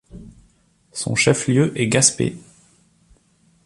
Son chef-lieu est Gaspé.